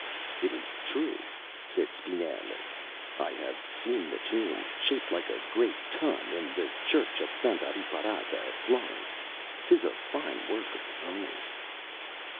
"It is true," said Spinello, "I have seen the tomb, shaped like a great tun, in the Church of Santa Reparata at Florence. 'Tis a fine work of the Romans."